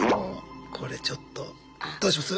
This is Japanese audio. これちょっとどうします？